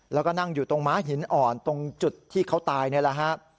แล้วก็นั่งอยู่ตรงม้าหินอ่อนตรงจุดที่เขาตายนี่แหละฮะ